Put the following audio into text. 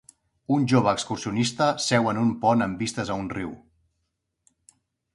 Un jove excursionista seu en un pont amb vistes a un riu.